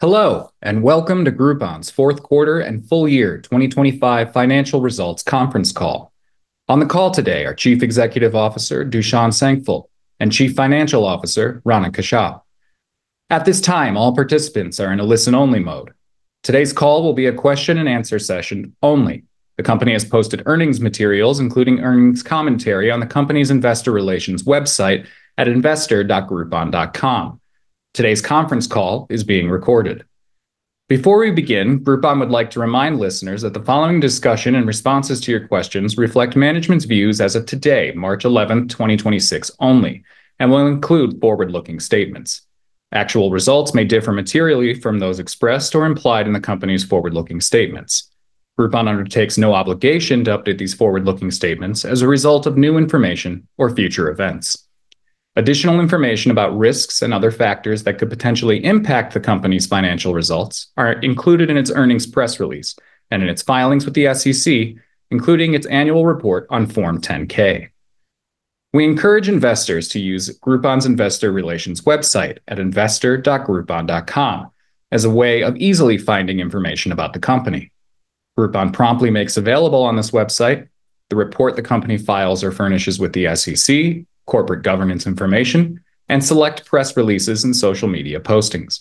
Hello, and welcome to Groupon's Q4 and full year 2025 financial results conference call. On the call today are Chief Executive Officer Dušan Senkypl and Chief Financial Officer Rana Kashyap. At this time, all participants are in a listen-only mode. Today's call will be a question and answer session only. The company has posted earnings materials, including earnings commentary, on the company's investor relations website at investor.groupon.com. Today's conference call is being recorded. Before we begin, Groupon would like to remind listeners that the following discussion and responses to your questions reflect management's views as of today, March 11, 2026 only, and will include forward-looking statements. Actual results may differ materially from those expressed or implied in the company's forward-looking statements. Groupon undertakes no obligation to update these forward-looking statements as a result of new information or future events. Additional information about risks and other factors that could potentially impact the company's financial results are included in its earnings press release and in its filings with the SEC, including its annual report on Form 10-K. We encourage investors to use Groupon's investor relations website at investor.groupon.com as a way of easily finding information about the company. Groupon promptly makes available on this website the report the company files or furnishes with the SEC, corporate governance information, and select press releases and social media postings.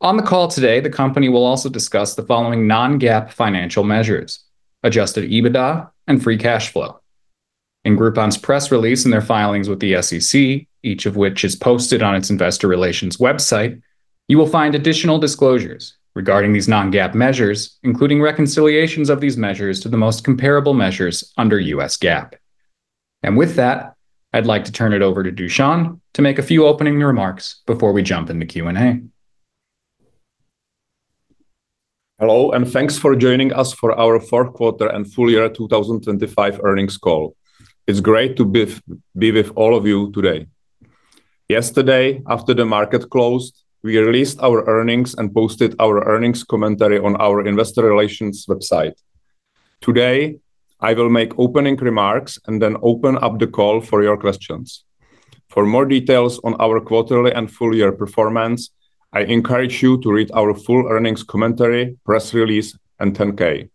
On the call today, the company will also discuss the following non-GAAP financial measures, adjusted EBITDA and free cash flow. In Groupon's press release and their filings with the SEC, each of which is posted on its investor relations website, you will find additional disclosures regarding these non-GAAP measures, including reconciliations of these measures to the most comparable measures under US GAAP. With that, I'd like to turn it over to Dušan to make a few opening remarks before we jump into Q&A. Hello, and thanks for joining us for our Q4 and full year 2025 earnings call. It's great to be with all of you today. Yesterday, after the market closed, we released our earnings and posted our earnings commentary on our investor relations website. Today, I will make opening remarks and then open up the call for your questions. For more details on our quarterly and full year performance, I encourage you to read our full earnings commentary, press release, and 10-K.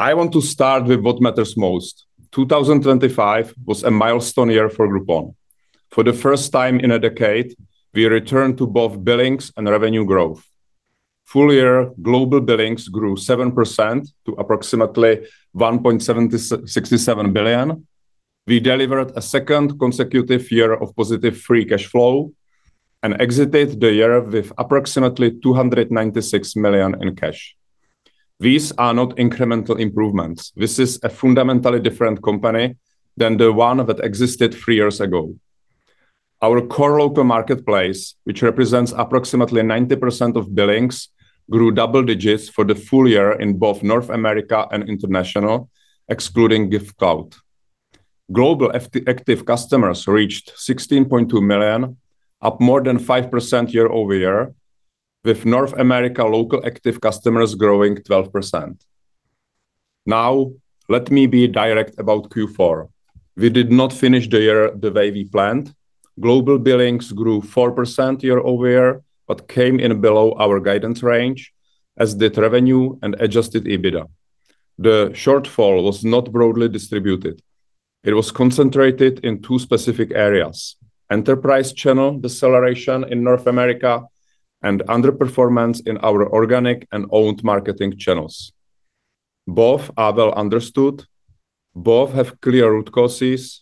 I want to start with what matters most. 2025 was a milestone year for Groupon. For the first time in a decade, we returned to both billings and revenue growth. Full year global billings grew 7% to approximately $1.76 billion. We delivered a second consecutive year of positive free cash flow and exited the year with approximately $296 million in cash. These are not incremental improvements. This is a fundamentally different company than the one that existed three years ago. Our core local marketplace, which represents approximately 90% of billings, grew double digits for the full year in both North America and international, excluding Giftcloud. Global active customers reached 16.2 million, up more than 5% year-over-year, with North America local active customers growing 12%. Now, let me be direct about Q4. We did not finish the year the way we planned. Global billings grew 4% year-over-year but came in below our guidance range, as did revenue and adjusted EBITDA. The shortfall was not broadly distributed. It was concentrated in two specific areas, enterprise channel deceleration in North America and underperformance in our organic and owned marketing channels. Both are well understood, both have clear root causes,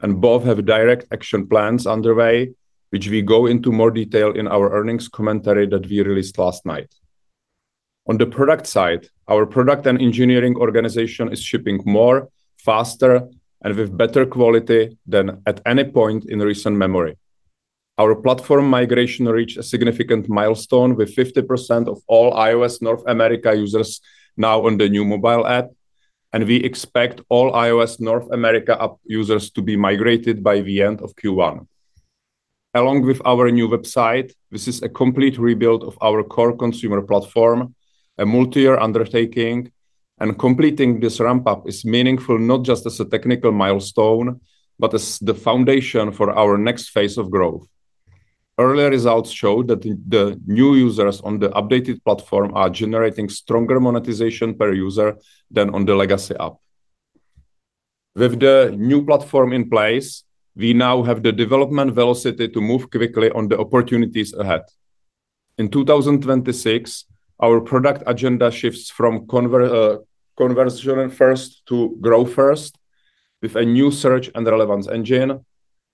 and both have direct action plans underway, which we go into more detail in our earnings commentary that we released last night. On the product side, our product and engineering organization is shipping more, faster, and with better quality than at any point in recent memory. Our platform migration reached a significant milestone with 50% of all iOS North America users now on the new mobile app, and we expect all iOS North America app users to be migrated by the end of Q1. Along with our new website, this is a complete rebuild of our core consumer platform, a multi-year undertaking, and completing this ramp-up is meaningful not just as a technical milestone, but as the foundation for our next phase of growth. Early results show that the new users on the updated platform are generating stronger monetization per user than on the legacy app. With the new platform in place, we now have the development velocity to move quickly on the opportunities ahead. In 2026, our product agenda shifts from conversion first to grow first with a new search and relevance engine.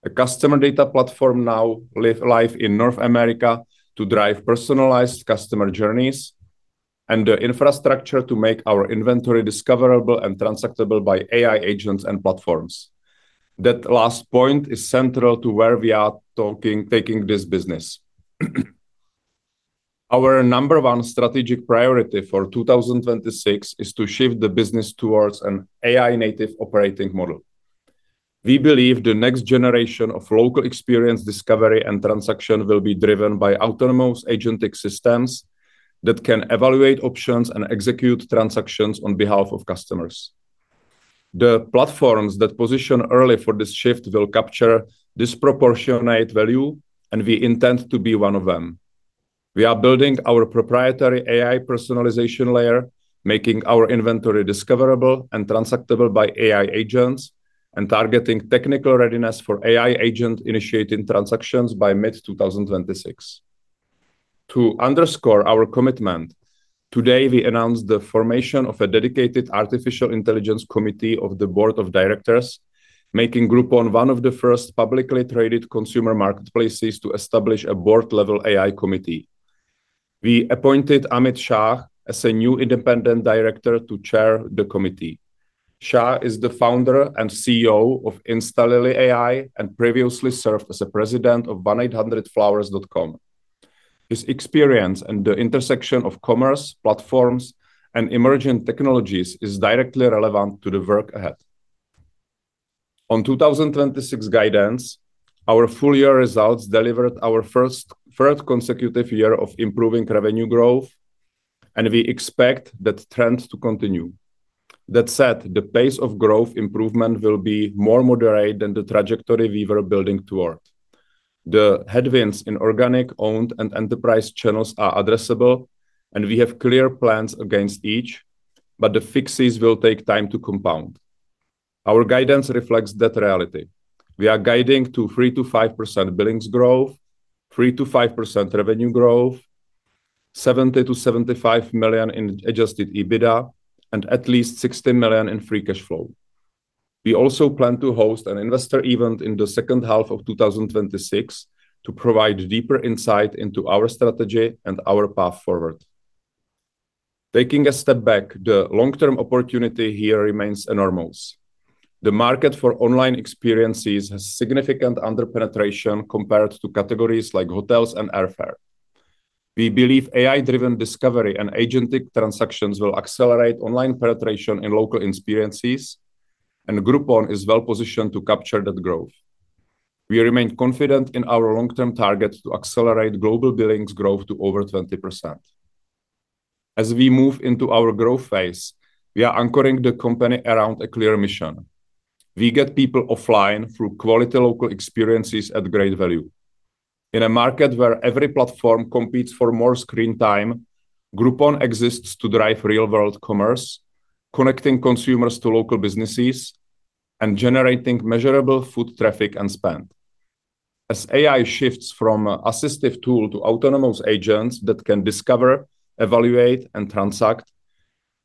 A customer data platform now live in North America to drive personalized customer journeys and the infrastructure to make our inventory discoverable and transactable by AI agents and platforms. That last point is central to where we are taking this business. Our number one strategic priority for 2026 is to shift the business towards an AI-native operating model. We believe the next generation of local experience discovery and transaction will be driven by autonomous agentic systems that can evaluate options and execute transactions on behalf of customers. The platforms that position early for this shift will capture disproportionate value, and we intend to be one of them. We are building our proprietary AI personalization layer, making our inventory discoverable and transactable by AI agents, and targeting technical readiness for AI agent initiating transactions by mid 2026. To underscore our commitment, today we announced the formation of a dedicated artificial intelligence committee of the board of directors, making Groupon one of the first publicly traded consumer marketplaces to establish a board-level AI committee. We appointed Amit Shah as a new independent director to chair the committee. Shah is the founder and CEO of Instantly AI and previously served as the president of 1-800-Flowers.com. His experience in the intersection of commerce, platforms, and emerging technologies is directly relevant to the work ahead. On 2026 guidance, our full year results delivered our third consecutive year of improving revenue growth, and we expect that trend to continue. That said, the pace of growth improvement will be more moderate than the trajectory we were building toward. The headwinds in organic owned and enterprise channels are addressable, and we have clear plans against each, but the fixes will take time to compound. Our guidance reflects that reality. We are guiding to 3%-5% billings growth, 3%-5% revenue growth, $70 million-$75 million in adjusted EBITDA, and at least $60 million in free cash flow. We also plan to host an investor event in the second half of 2026 to provide deeper insight into our strategy and our path forward. Taking a step back, the long-term opportunity here remains enormous. The market for online experiences has significant under-penetration compared to categories like hotels and airfare. We believe AI-driven discovery and agentic transactions will accelerate online penetration in local experiences, and Groupon is well-positioned to capture that growth. We remain confident in our long-term target to accelerate global billings growth to over 20%. As we move into our growth phase, we are anchoring the company around a clear mission. We get people offline through quality local experiences at great value. In a market where every platform competes for more screen time, Groupon exists to drive real-world commerce, connecting consumers to local businesses and generating measurable foot traffic and spend. As AI shifts from assistive tool to autonomous agents that can discover, evaluate, and transact,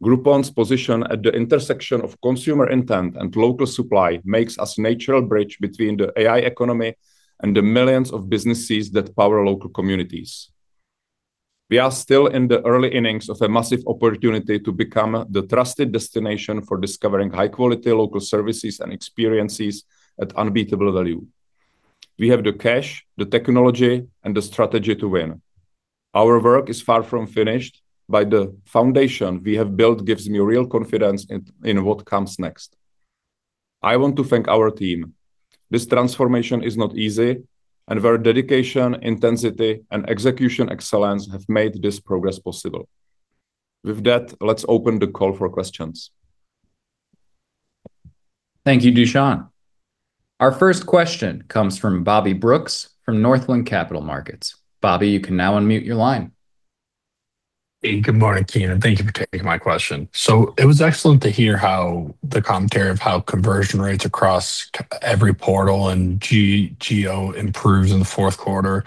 Groupon's position at the intersection of consumer intent and local supply makes us a natural bridge between the AI economy and the millions of businesses that power local communities. We are still in the early innings of a massive opportunity to become the trusted destination for discovering high-quality local services and experiences at unbeatable value. We have the cash, the technology, and the strategy to win. Our work is far from finished, but the foundation we have built gives me real confidence in what comes next. I want to thank our team. This transformation is not easy, and their dedication, intensity, and execution excellence have made this progress possible. With that, let's open the call for questions. Thank you, Dušan. Our first question comes from Bobby Brooks from Northland Capital Markets. Bobby, you can now unmute your line. Hey, good morning, Dušan. Thank you for taking my question. It was excellent to hear how the commentary of how conversion rates across every portal and GEO improves in the Q4.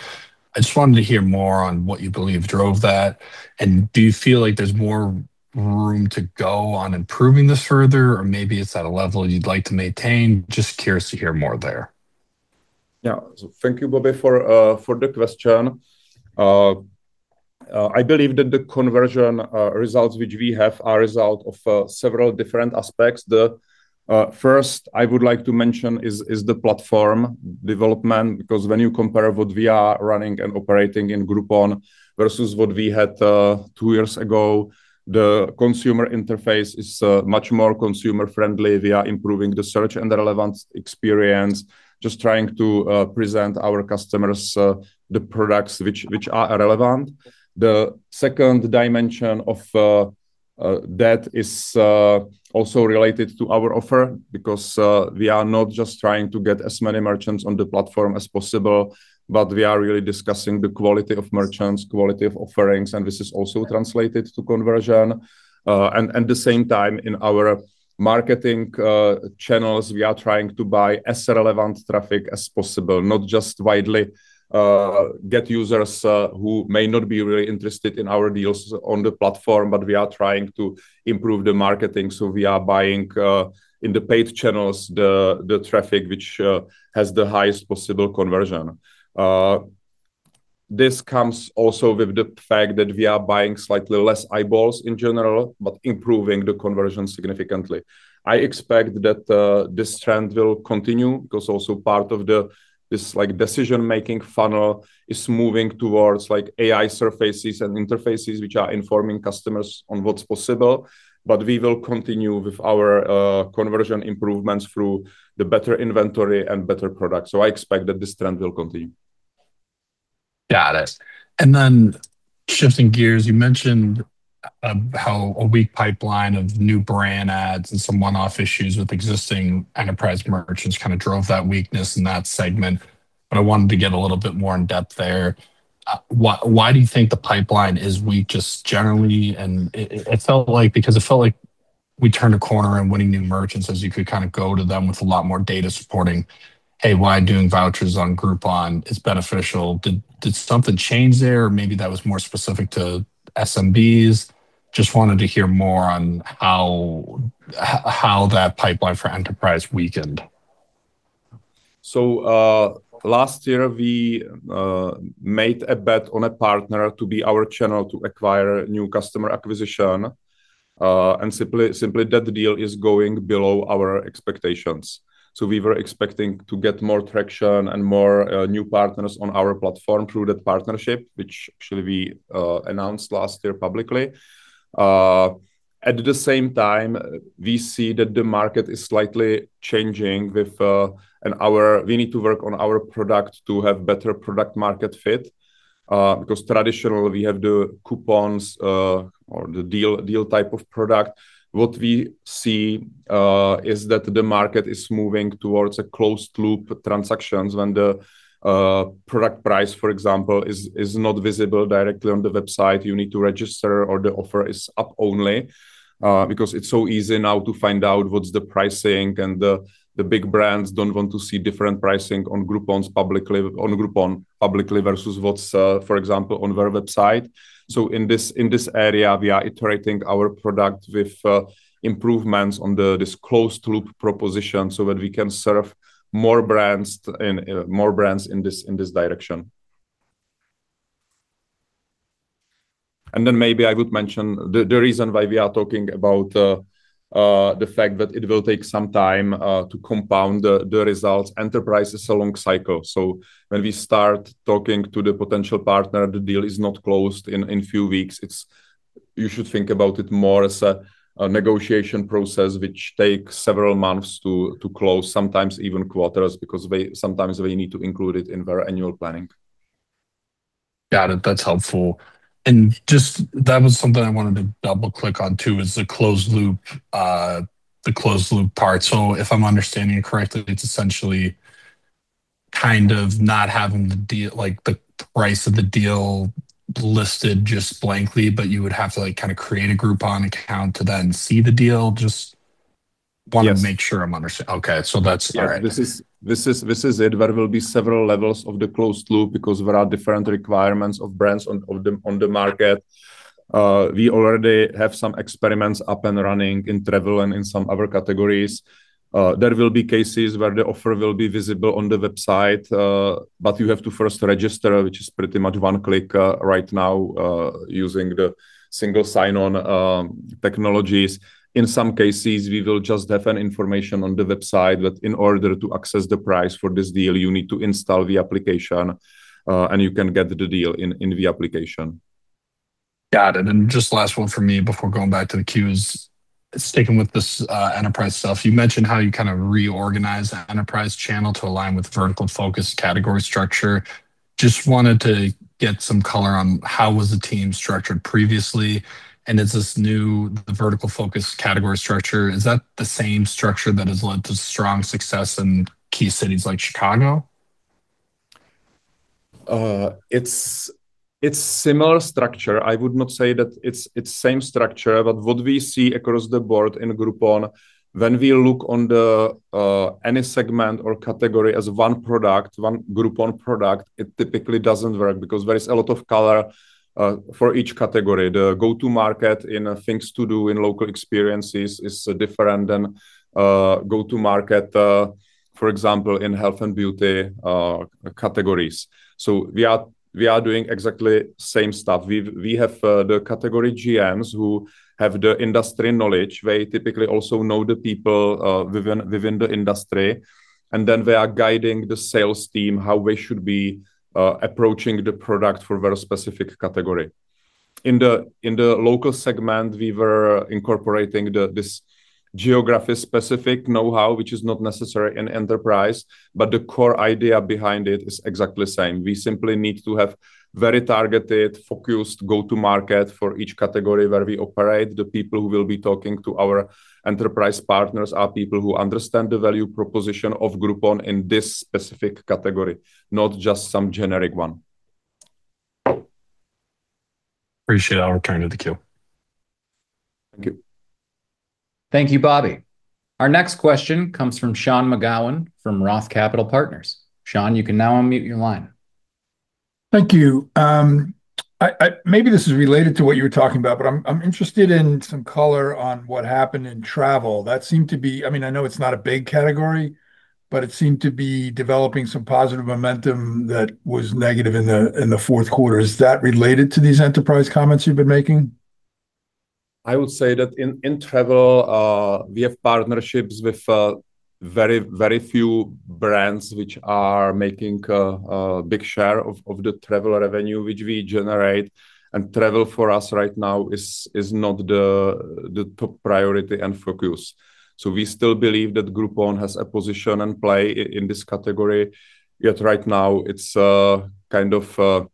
I just wanted to hear more on what you believe drove that. Do you feel like there's more room to go on improving this further, or maybe it's at a level you'd like to maintain? Just curious to hear more there. Yeah. Thank you, Bobby, for the question. I believe that the conversion results which we have are a result of several different aspects. The first I would like to mention is the platform development, because when you compare what we are running and operating in Groupon versus what we had two years ago, the consumer interface is much more consumer-friendly. We are improving the search and the relevance experience, just trying to present our customers the products which are relevant. The second dimension of that is also related to our offer because we are not just trying to get as many merchants on the platform as possible, but we are really discussing the quality of merchants, quality of offerings, and this is also translated to conversion. At the same time in our marketing channels, we are trying to buy as relevant traffic as possible, not just widely get users who may not be really interested in our deals on the platform, but we are trying to improve the marketing. We are buying in the paid channels the traffic which has the highest possible conversion. This comes also with the fact that we are buying slightly less eyeballs in general, but improving the conversion significantly. I expect that this trend will continue because also part of this, like, decision-making funnel is moving towards, like, AI surfaces and interfaces which are informing customers on what's possible. We will continue with our conversion improvements through the better inventory and better product. I expect that this trend will continue. Got it. Shifting gears, you mentioned how a weak pipeline of new brand ads and some one-off issues with existing enterprise merchants kind of drove that weakness in that segment, but I wanted to get a little bit more in depth there. Why do you think the pipeline is weak just generally? It felt like we turned a corner in winning new merchants as you could kind of go to them with a lot more data supporting, "Hey, why doing vouchers on Groupon is beneficial." Did something change there? Or maybe that was more specific to SMBs. Just wanted to hear more on how that pipeline for enterprise weakened. Last year, we made a bet on a partner to be our channel to acquire new customer acquisition. Simply that deal is going below our expectations. We were expecting to get more traction and more new partners on our platform through that partnership, which actually we announced last year publicly. At the same time, we see that the market is slightly changing, and we need to work on our product to have better product market fit. Because traditionally, we have the coupons or the deal type of product. What we see is that the market is moving towards closed-loop transactions when the product price, for example, is not visible directly on the website. You need to register or the offer is up only. Because it's so easy now to find out what's the pricing and the big brands don't want to see different pricing on Groupon publicly versus what's, for example, on their website. In this area, we are iterating our product with improvements on this closed-loop proposition so that we can serve more brands in this direction. Maybe I would mention the reason why we are talking about the fact that it will take some time to compound the results. Enterprise is a long cycle, so when we start talking to the potential partner, the deal is not closed in few weeks. You should think about it more as a negotiation process which takes several months to close, sometimes even quarters, because sometimes they need to include it in their annual planning. Got it. That's helpful. Just that was something I wanted to double-click on too, is the closed loop part. If I'm understanding correctly, it's essentially kind of not having like, the price of the deal listed just blankly, but you would have to kind of create a Groupon account to then see the deal. All right. This is it. There will be several levels of the closed loop because there are different requirements of brands on the market. We already have some experiments up and running in travel and in some other categories. There will be cases where the offer will be visible on the website, but you have to first register, which is pretty much one click right now, using the single sign-on technologies. In some cases, we will just have an information on the website that in order to access the price for this deal, you need to install the application, and you can get the deal in the application. Got it. Just last one from me before going back to the queue is, sticking with this, enterprise stuff. You mentioned how you kind of reorganized that enterprise channel to align with vertical-focused category structure. Just wanted to get some color on how was the team structured previously, and is this new vertical-focused category structure, is that the same structure that has led to strong success in key cities like Chicago? It's similar structure. I would not say that it's same structure. What we see across the board in Groupon, when we look at any segment or category as one product, one Groupon product, it typically doesn't work because there is a lot of color for each category. The go-to market in things to do in local experiences is different than go-to market for example in health and beauty categories. We are doing exactly same stuff. We have the category GMs who have the industry knowledge. They typically also know the people within the industry. Then they are guiding the sales team how we should be approaching the product for very specific category. In the local segment, we were incorporating this geography-specific know-how, which is not necessary in enterprise, but the core idea behind it is exactly the same. We simply need to have very targeted, focused go-to-market for each category where we operate. The people who will be talking to our enterprise partners are people who understand the value proposition of Groupon in this specific category, not just some generic one. Appreciate it. I'll return to the queue. Thank you. Thank you, Bobby. Our next question comes from Sean McGowan from ROTH Capital Partners. Sean, you can now unmute your line. Thank you. Maybe this is related to what you were talking about, but I'm interested in some color on what happened in travel. That seemed to be, I mean, I know it's not a big category, but it seemed to be developing some positive momentum that was negative in the Q4. Is that related to these enterprise comments you've been making? I would say that in travel, we have partnerships with very few brands which are making a big share of the travel revenue which we generate. Travel for us right now is not the top priority and focus. We still believe that Groupon has a position and play in this category. Yet right now, it's kind of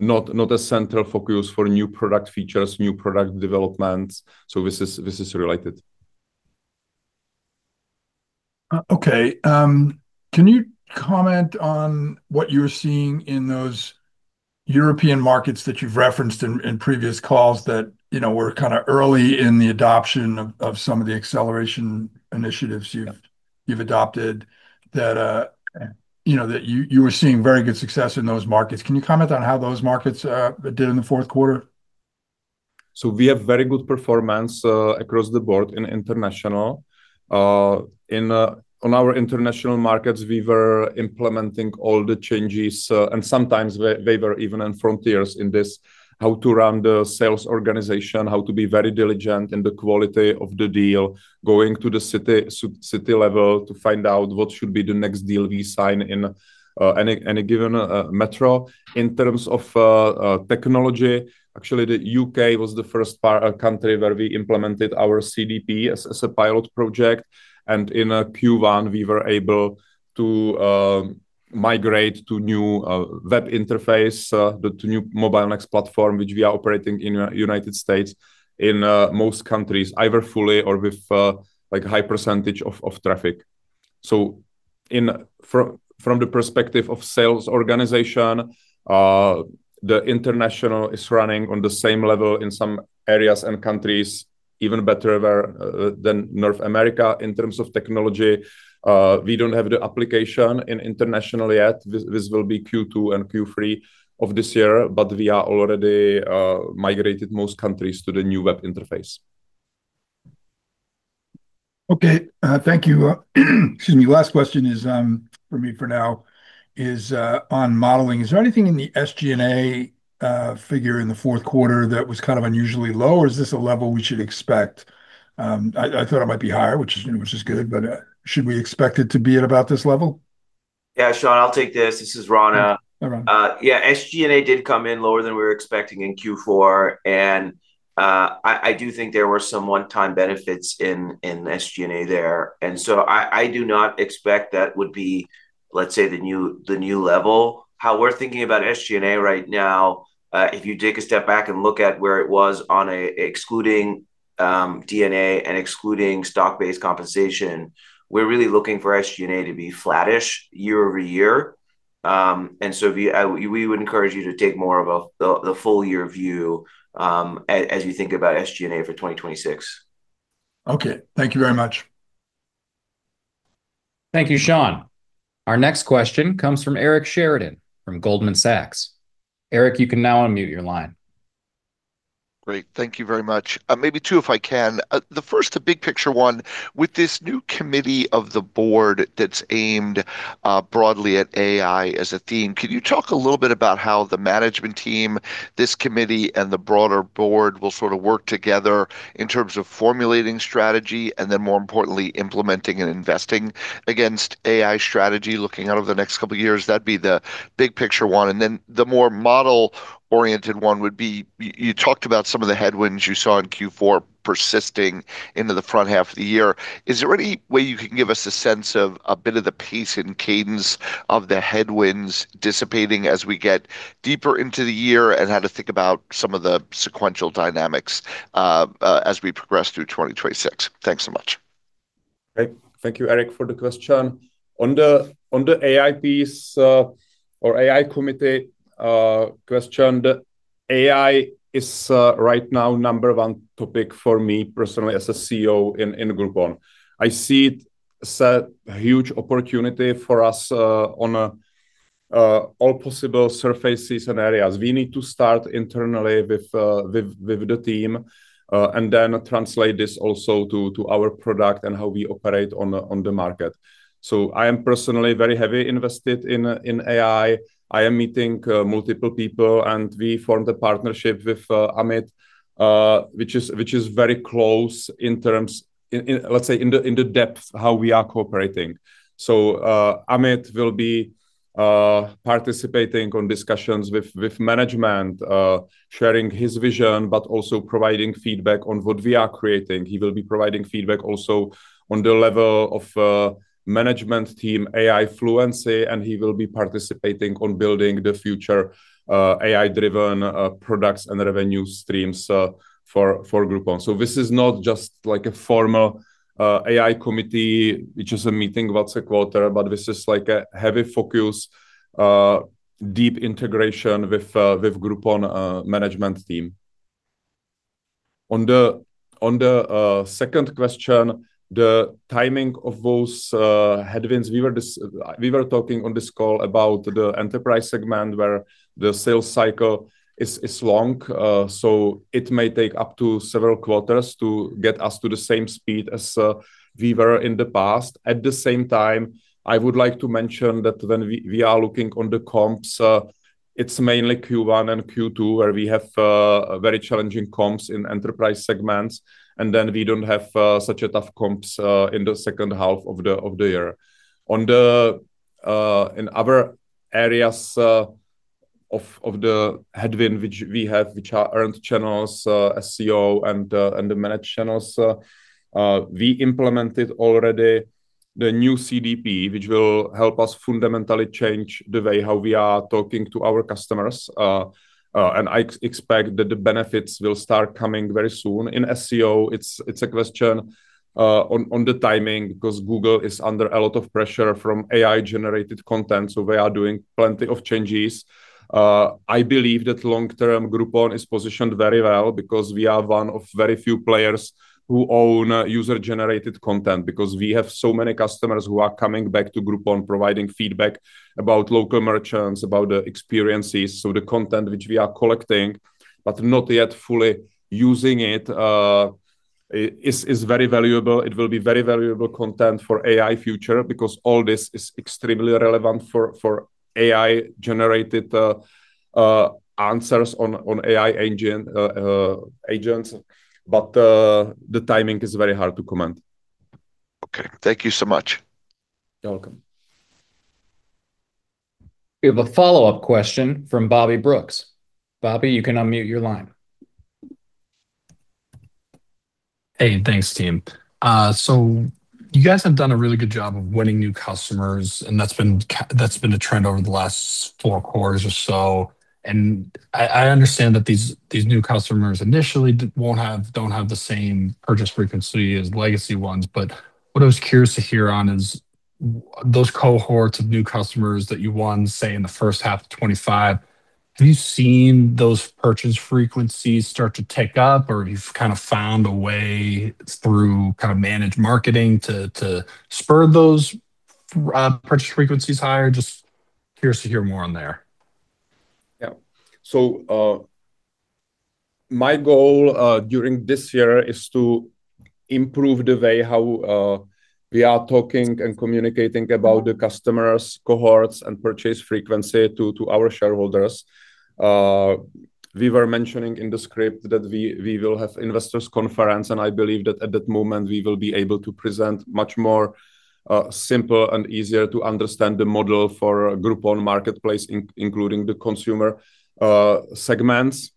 not a central focus for new product features, new product developments. This is related. Okay. Can you comment on what you're seeing in those European markets that you've referenced in previous calls that, you know, were kinda early in the adoption of some of the acceleration initiatives you've adopted that, you know, that you were seeing very good success in those markets. Can you comment on how those markets did in the Q4? We have very good performance across the board in international. In our international markets, we were implementing all the changes, and sometimes they were even on frontiers in this, how to run the sales organization, how to be very diligent in the quality of the deal, going to the city level to find out what should be the next deal we sign in any given metro. In terms of technology, actually, the UK was the first country where we implemented our CDP as a pilot project. In Q1, we were able to migrate to new web interface to new MobileNext platform, which we are operating in United States in most countries, either fully or with like high percentage of traffic. From the perspective of sales organization, the international is running on the same level in some areas and countries even better than North America in terms of technology. We don't have the application in international yet. This will be Q2 and Q3 of this year, but we are already migrated most countries to the new web interface. Okay. Thank you. Excuse me. Last question for me for now is on modeling. Is there anything in the SG&A figure in the Q4 that was kind of unusually low, or is this a level we should expect? I thought it might be higher, which is, you know, which is good, but should we expect it to be at about this level? Yeah, Sean, I'll take this. This is Rana. Hi, Rana. Yeah, SG&A did come in lower than we were expecting in Q4, and I do think there were some one-time benefits in SG&A there. I do not expect that would be, let's say, the new level. How we're thinking about SG&A right now, if you take a step back and look at where it was excluding D&A and excluding stock-based compensation, we're really looking for SG&A to be flattish year-over-year. We would encourage you to take more of a full year view as you think about SG&A for 2026. Okay. Thank you very much. Thank you, Sean. Our next question comes from Eric Sheridan from Goldman Sachs. Eric, you can now unmute your line. Great. Thank you very much. Maybe two, if I can. The first, a big picture one. With this new committee of the board that's aimed broadly at AI as a theme, could you talk a little bit about how the management team, this committee, and the broader board will sort of work together in terms of formulating strategy and then, more importantly, implementing and investing against AI strategy looking out over the next couple of years? That'd be the big picture one. Then the more model-oriented one would be, you talked about some of the headwinds you saw in Q4 persisting into the front half of the year. Is there any way you can give us a sense of a bit of the pace and cadence of the headwinds dissipating as we get deeper into the year, and how to think about some of the sequential dynamics, as we progress through 2026? Thanks so much. Great. Thank you, Eric, for the question. On the AI piece or AI committee question, AI is right now number one topic for me personally as a CEO in Groupon. I see it as a huge opportunity for us on all possible surfaces and areas. We need to start internally with the team and then translate this also to our product and how we operate on the market. I am personally very heavy invested in AI. I am meeting multiple people, and we formed a partnership with Amit, which is very close in terms, let's say, in the depth how we are cooperating. Amit will be participating in discussions with management, sharing his vision, but also providing feedback on what we are creating. He will be providing feedback also on the level of management team AI fluency, and he will be participating in building the future AI-driven products and revenue streams for Groupon. This is not just like a formal AI committee, which is a meeting once a quarter, but this is like a heavy focus deep integration with Groupon management team. On the second question, the timing of those headwinds, we were talking on this call about the enterprise segment where the sales cycle is long, so it may take up to several quarters to get us to the same speed as we were in the past. At the same time, I would like to mention that when we are looking at the comps, it's mainly Q1 and Q2 where we have very challenging comps in enterprise segments, and then we don't have such a tough comps in the second half of the year. In other areas of the headwind which we have, which are earned channels, SEO and the managed channels, we implemented already the new CDP, which will help us fundamentally change the way how we are talking to our customers. I expect that the benefits will start coming very soon. In SEO, it's a question on the timing because Google is under a lot of pressure from AI-generated content, so they are doing plenty of changes. I believe that long-term, Groupon is positioned very well because we are one of very few players who own user-generated content. Because we have so many customers who are coming back to Groupon providing feedback about local merchants, about the experiences. The content which we are collecting, but not yet fully using it, is very valuable. It will be very valuable content for AI future because all this is extremely relevant for AI-generated answers on AI agents. The timing is very hard to comment. Okay. Thank you so much. You're welcome. We have a follow-up question from Robert Brooks. Bobby, you can unmute your line. Hey, thanks team. You guys have done a really good job of winning new customers, and that's been the trend over the last four quarters or so. I understand that these new customers initially don't have the same purchase frequency as legacy ones. What I was curious to hear on is those cohorts of new customers that you won, say, in the first half of 2025, have you seen those purchase frequencies start to tick up? Or you've kind of found a way through kind of managed marketing to spur those purchase frequencies higher? Just curious to hear more on there. Yeah. My goal during this year is to improve the way how we are talking and communicating about the customers, cohorts, and purchase frequency to our shareholders. We were mentioning in the script that we will have investors conference, and I believe that at that moment we will be able to present much more simple and easier to understand the model for Groupon marketplace including the consumer segments.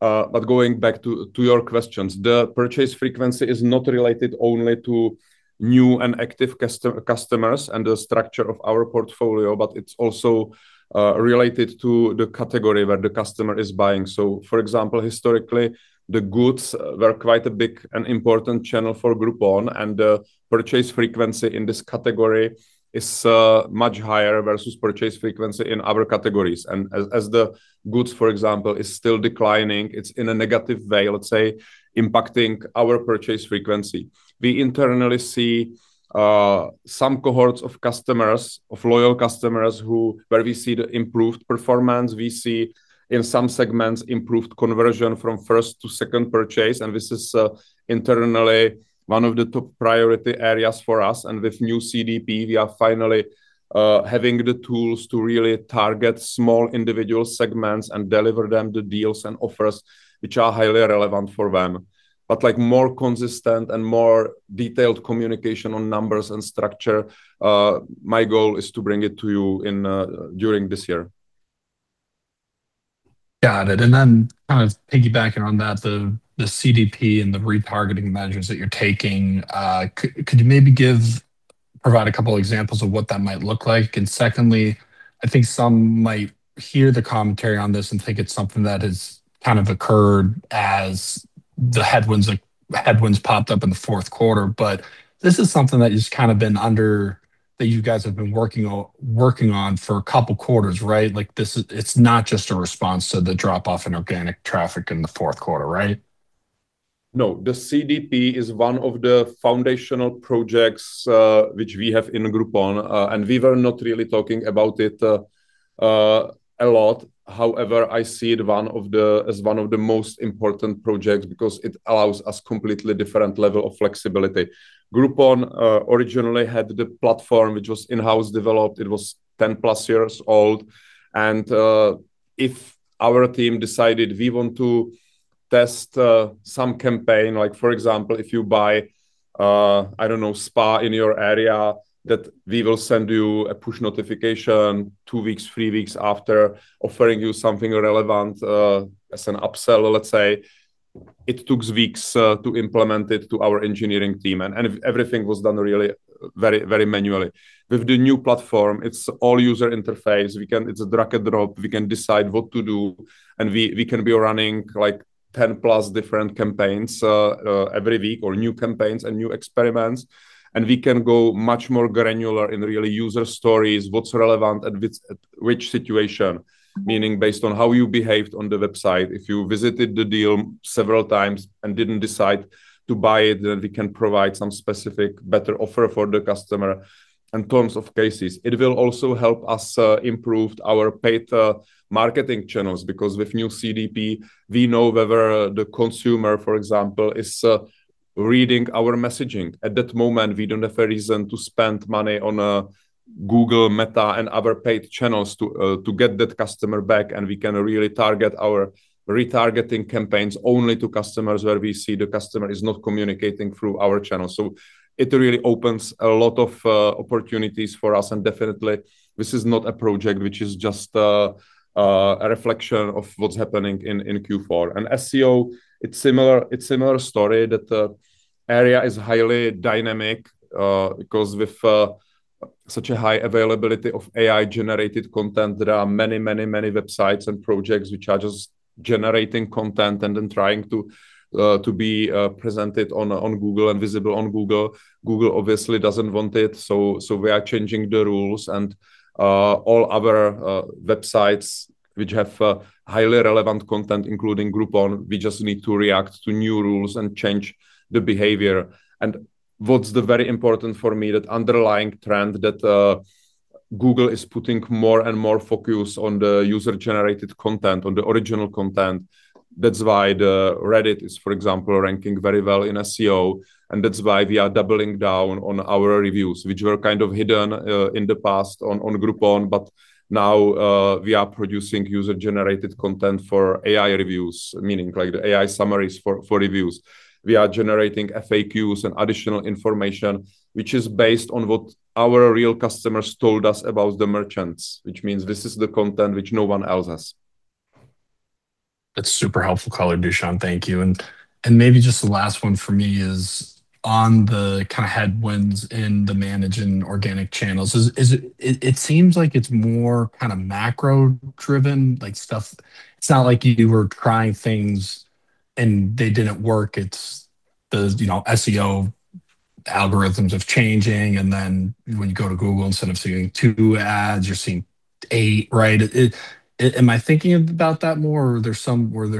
Going back to your questions. The purchase frequency is not related only to new and active customers and the structure of our portfolio, but it's also related to the category where the customer is buying. For example, historically, the goods were quite a big and important channel for Groupon. Purchase frequency in this category is much higher versus purchase frequency in other categories. As the goods, for example, is still declining, it's in a negative way, let's say, impacting our purchase frequency. We internally see some cohorts of customers, of loyal customers where we see the improved performance. We see, in some segments, improved conversion from first to second purchase, and this is internally one of the top priority areas for us. With new CDP, we are finally having the tools to really target small individual segments and deliver them the deals and offers which are highly relevant for them. Like, more consistent and more detailed communication on numbers and structure, my goal is to bring it to you in, during this year. Got it. Then kind of piggybacking on that, the CDP and the retargeting measures that you're taking, could you maybe provide a couple examples of what that might look like? Secondly, I think some might hear the commentary on this and think it's something that has kind of occurred as the headwinds, like, headwinds popped up in the Q4. This is something that you guys have been working on for a couple quarters, right? Like, it's not just a response to the drop-off in organic traffic in the Q4, right? No. The CDP is one of the foundational projects, which we have in Groupon. We were not really talking about it a lot. However, I see it as one of the most important projects because it allows us completely different level of flexibility. Groupon originally had the platform which was in-house developed. It was 10 plus years old. If our team decided we want to test some campaign, like for example, if you buy, I don't know, spa in your area, that we will send you a push notification two weeks, three weeks after offering you something relevant, as an upsell, let's say. It takes weeks to implement it to our engineering team and everything was done really very manually. With the new platform, it's all user interface. It's a drag and drop. We can decide what to do, and we can be running, like, 10 plus different campaigns every week or new campaigns and new experiments. We can go much more granular in really user stories, what's relevant at which situation. Meaning based on how you behaved on the website, if you visited the deal several times and didn't decide to buy it, then we can provide some specific better offer for the customer in terms of cases. It will also help us improve our paid marketing channels because with new CDP, we know whether the consumer, for example, is reading our messaging. At that moment, we don't have a reason to spend money on Google, Meta, and other paid channels to get that customer back, and we can really target our retargeting campaigns only to customers where we see the customer is not communicating through our channel. It really opens a lot of opportunities for us. Definitely this is not a project which is just a reflection of what's happening in Q4. SEO, it's similar story that area is highly dynamic because with such a high availability of AI-generated content, there are many websites and projects which are just generating content and then trying to be presented on Google and visible on Google. Google obviously doesn't want it, so we are changing the rules and all other websites which have highly relevant content, including Groupon. We just need to react to new rules and change the behavior. What's very important for me, that underlying trend that Google is putting more and more focus on the user-generated content, on the original content. That's why Reddit is, for example, ranking very well in SEO. That's why we are doubling down on our reviews, which were kind of hidden in the past on Groupon. Now, we are producing user-generated content for AI reviews, meaning like the AI summaries for reviews. We are generating FAQs and additional information, which is based on what our real customers told us about the merchants, which means this is the content which no one else has. That's super helpful, caller Dušan. Thank you. Maybe just the last one for me is on the kinda headwinds in the managing organic channels. Is it. It seems like it's more kinda macro-driven like stuff. It's not like you were trying things and they didn't work, it's the, you know, SEO algorithms changing, and then when you go to Google, instead of seeing two ads, you're seeing eight, right? Am I thinking about that more or there's some. Or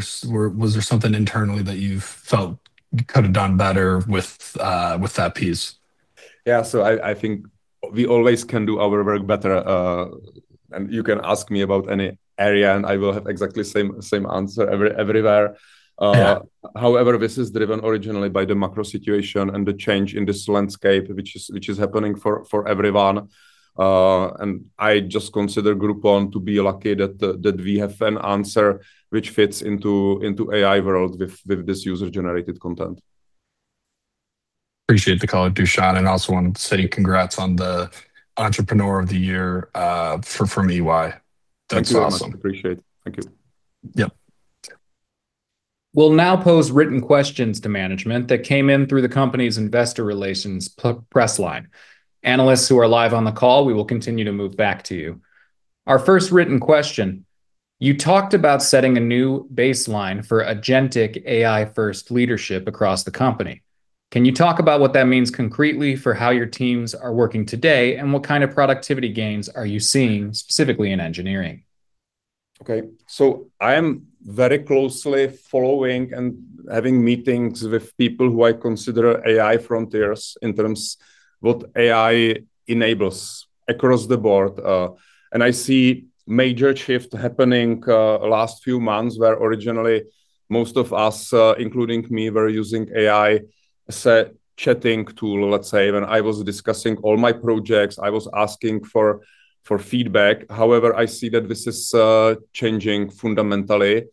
was there something internally that you felt you could have done better with that piece? Yeah. I think we always can do our work better. You can ask me about any area, and I will have exactly same answer everywhere. Yeah. However, this is driven originally by the macro situation and the change in this landscape, which is happening for everyone. I just consider Groupon to be lucky that we have an answer which fits into AI world with this user-generated content. Appreciate the call, Dušan. Wanted to say congrats on the Entrepreneur of the Year from EY. That's awesome. Thank you very much. Appreciate it. Thank you. Yep. We'll now pose written questions to management that came in through the company's investor relations press line. Analysts who are live on the call, we will continue to move back to you. Our first written question. You talked about setting a new baseline for agentic AI-first leadership across the company. Can you talk about what that means concretely for how your teams are working today, and what kind of productivity gains are you seeing specifically in engineering? Okay. I am very closely following and having meetings with people who I consider AI frontiers in terms of what AI enables across the board. I see a major shift happening last few months, where originally, most of us, including me, were using AI as a chatting tool, let's say. When I was discussing all my projects, I was asking for feedback. However, I see that this is changing fundamentally.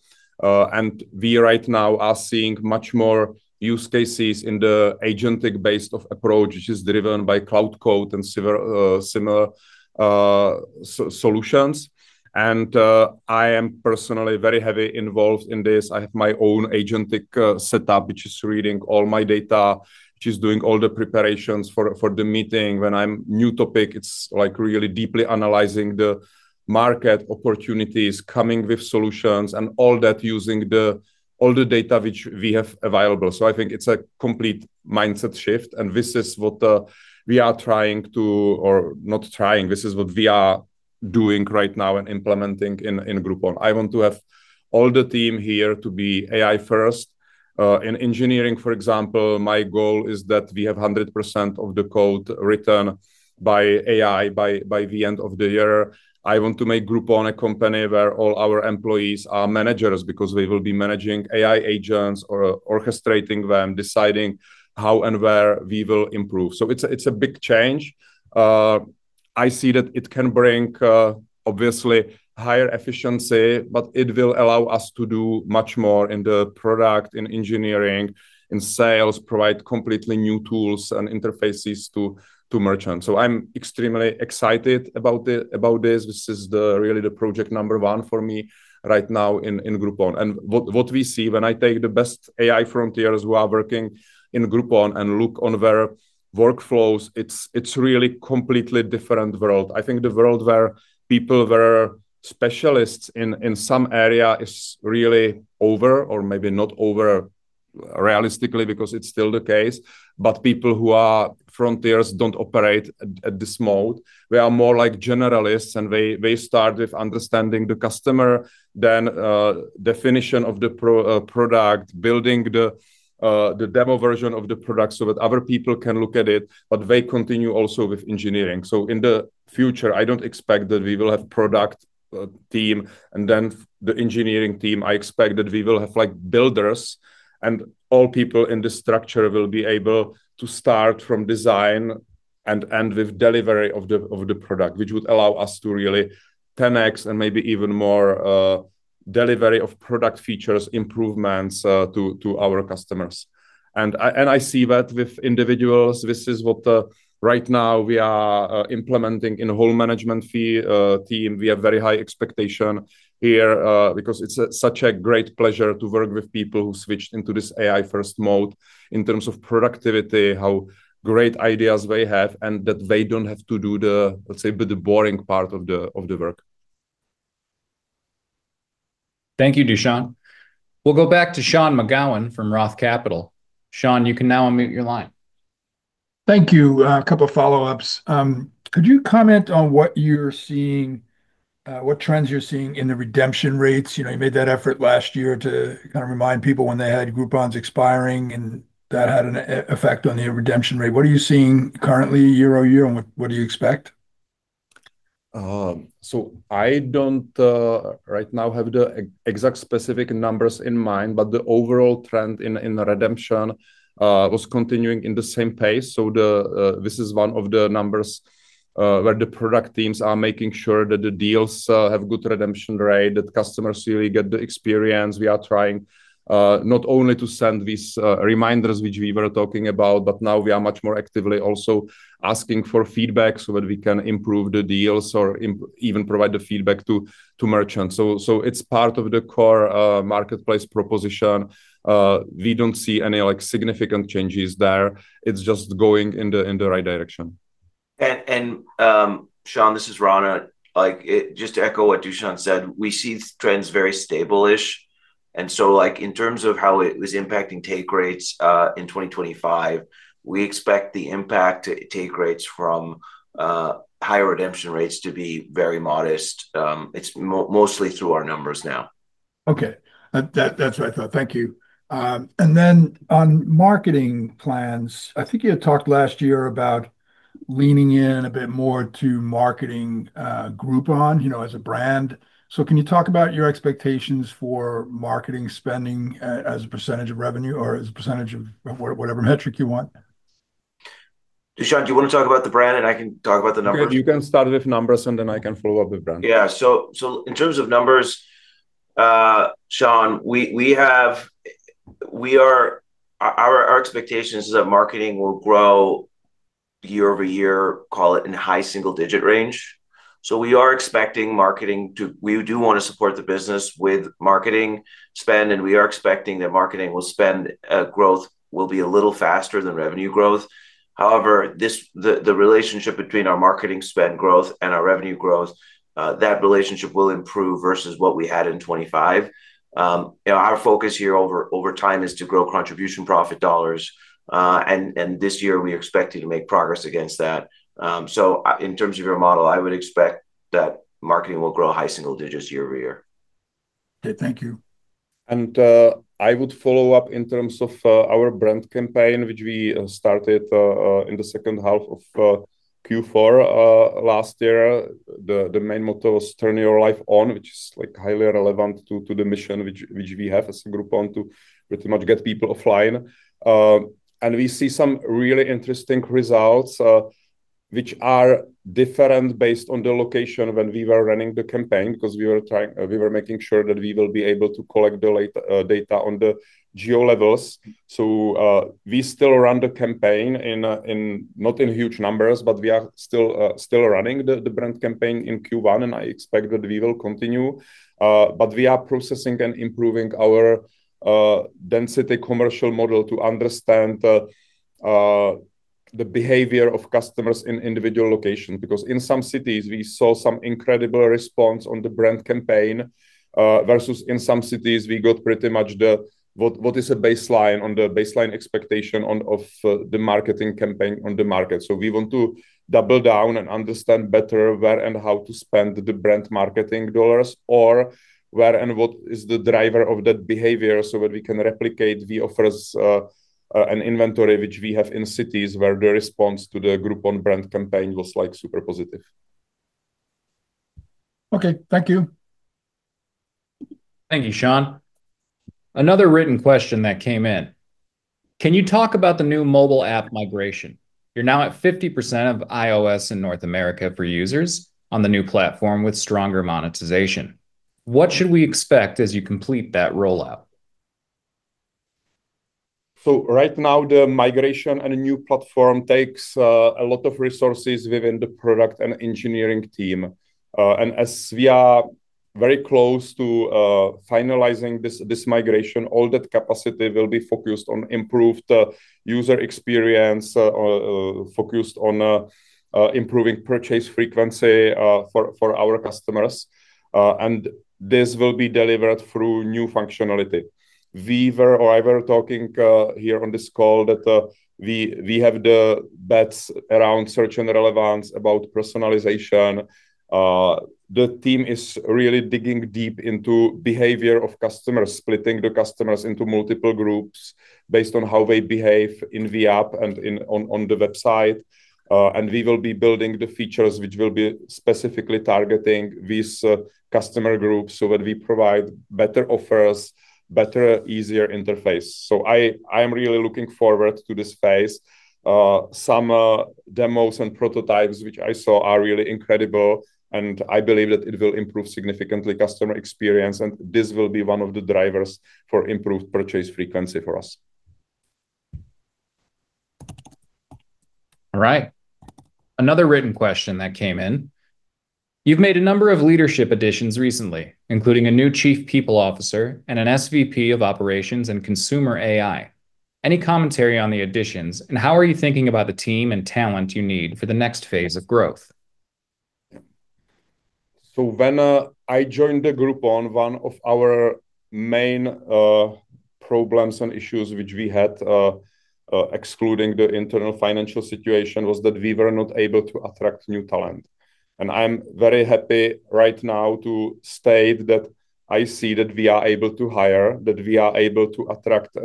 We right now are seeing much more use cases in the agentic-based approach, which is driven by Claude Code and several similar solutions. I am personally very heavily involved in this. I have my own agentic setup, which is reading all my data. She's doing all the preparations for the meeting. When in new topics, it's like really deeply analyzing the market opportunities, coming up with solutions and all that using all the data which we have available. I think it's a complete mindset shift, and this is what we are doing right now and implementing in Groupon. I want to have all the team here to be AI first. In engineering, for example, my goal is that we have 100% of the code written by AI by the end of the year. I want to make Groupon a company where all our employees are managers because they will be managing AI agents or orchestrating them, deciding how and where we will improve. It's a big change. I see that it can bring, obviously higher efficiency, but it will allow us to do much more in the product, in engineering, in sales, provide completely new tools and interfaces to merchants. I'm extremely excited about it, about this. This is really the project number one for me right now in Groupon. What we see when I take the best AI frontiers who are working in Groupon and look on their workflows, it's really completely different world. I think the world where people were specialists in some area is really over or maybe not over realistically because it's still the case. People who are frontiers don't operate at this mode. We are more like generalists, and they start with understanding the customer then definition of the product, building the demo version of the product so that other people can look at it, but they continue also with engineering. In the future, I don't expect that we will have product team and then the engineering team. I expect that we will have like builders and all people in the structure will be able to start from design. With delivery of the product, which would allow us to really 10x and maybe even more delivery of product features improvements to our customers. I see that with individuals. This is what right now we are implementing in the whole management team. We have very high expectation here, because it's such a great pleasure to work with people who switched into this AI first mode in terms of productivity, how great ideas they have, and that they don't have to do the, let's say, bit boring part of the, of the work. Thank you, Dušan. We'll go back to Sean McGowan from Roth Capital Partners. Sean, you can now unmute your line. Thank you. A couple follow-ups. Could you comment on what you're seeing, what trends you're seeing in the redemption rates? You know, you made that effort last year to kind of remind people when they had Groupons expiring, and that had an effect on the redemption rate. What are you seeing currently year-over-year, and what do you expect? I don't right now have the exact specific numbers in mind, but the overall trend in the redemption was continuing in the same pace. This is one of the numbers where the product teams are making sure that the deals have good redemption rate, that customers really get the experience. We are trying not only to send these reminders, which we were talking about, but now we are much more actively also asking for feedback so that we can improve the deals or even provide the feedback to merchants. It's part of the core marketplace proposition. We don't see any, like, significant changes there. It's just going in the right direction. Sean, this is Rana. Like, just to echo what Dušan said, we see trends very stable-ish. Like, in terms of how it was impacting take rates, in 2025, we expect the impact to take rates from higher redemption rates to be very modest. It's mostly through our numbers now. Okay. That's what I thought. Thank you. On marketing plans, I think you had talked last year about leaning in a bit more to marketing, Groupon, you know, as a brand. Can you talk about your expectations for marketing spending as a percentage of revenue or as a percentage of whatever metric you want? Dušan, do you want to talk about the brand, and I can talk about the numbers? You can start with numbers, and then I can follow up with brand. Yeah. In terms of numbers, Sean, our expectation is that marketing will grow year-over-year, call it in high single-digit range. We do wanna support the business with marketing spend, and we are expecting that marketing spend growth will be a little faster than revenue growth. However, the relationship between our marketing spend growth and our revenue growth, that relationship will improve versus what we had in 2025. You know, our focus here over time is to grow contribution profit dollars. And this year we're expecting to make progress against that. In terms of your model, I would expect that marketing will grow high single digits year-over-year. Okay. Thank you. I would follow up in terms of our brand campaign, which we started in the second half of Q4 last year. The main motto was "Turn your life on," which is like highly relevant to the mission which we have as Groupon to pretty much get people offline. We see some really interesting results which are different based on the location when we were running the campaign because we were making sure that we will be able to collect the data on the geo levels. We still run the campaign in not huge numbers, but we are still running the brand campaign in Q1, and I expect that we will continue. We are processing and improving our density commercial model to understand the behavior of customers in individual locations. Because in some cities we saw some incredible response on the brand campaign, versus in some cities we got pretty much what is a baseline on the baseline expectation of the marketing campaign on the market. We want to double down and understand better where and how to spend the brand marketing dollars or where and what is the driver of that behavior so that we can replicate the offers, and inventory which we have in cities where the response to the Groupon brand campaign was, like, super positive. Okay. Thank you. Thank you, Sean. Another written question that came in. Can you talk about the new mobile app migration? You're now at 50% of iOS in North America for users on the new platform with stronger monetization. What should we expect as you complete that rollout? Right now, the migration and a new platform takes a lot of resources within the product and engineering team. As we are very close to finalizing this migration, all that capacity will be focused on improved user experience, focused on improving purchase frequency for our customers. This will be delivered through new functionality. We were or I were talking here on this call that we have the bets around search and relevance, about personalization. The team is really digging deep into behavior of customers, splitting the customers into multiple groups based on how they behave in the app and on the website. We will be building the features which will be specifically targeting these customer groups so that we provide better offers, better, easier interface. I am really looking forward to this phase. Some demos and prototypes which I saw are really incredible, and I believe that it will improve significantly customer experience, and this will be one of the drivers for improved purchase frequency for us. All right. Another written question that came in. You've made a number of leadership additions recently, including a new chief people officer and an SVP of operations and consumer AI. Any commentary on the additions, and how are you thinking about the team and talent you need for the next phase of growth? When I joined Groupon, one of our main problems and issues which we had, excluding the internal financial situation, was that we were not able to attract new talent. I'm very happy right now to state that I see that we are able to hire, that we are able to attract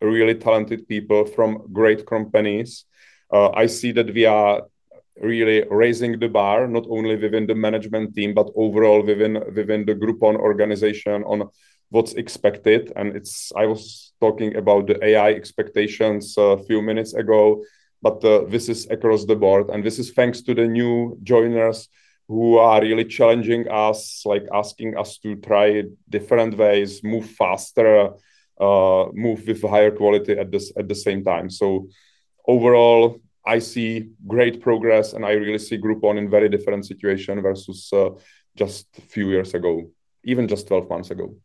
really talented people from great companies. I see that we are really raising the bar, not only within the management team, but overall within the Groupon organization on what's expected. It's. I was talking about the AI expectations a few minutes ago, but this is across the board, and this is thanks to the new joiners who are really challenging us, like asking us to try different ways, move faster, move with higher quality at the same time. Overall, I see great progress, and I really see Groupon in very different situation versus just a few years ago, even just 12 months ago.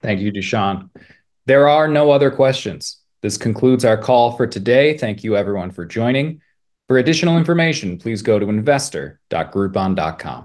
Thank you, Dušan. There are no other questions. This concludes our call for today. Thank you everyone for joining. For additional information, please go to investor.groupon.com